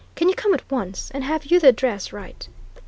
Can you come at once? And have you the address right?"